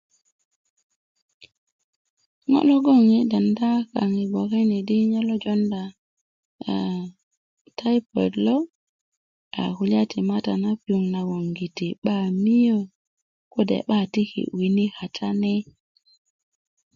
ŋo logoŋ i denda kaŋ gboke ni di nye lojonda aa taipoid lo a kulya ti mata na piyoŋ nagoŋgiti 'ba miyä kode 'ba tiki wini katani